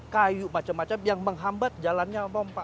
kayu macam macam yang menghambat jalannya pompa